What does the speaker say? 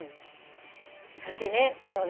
それでねこのね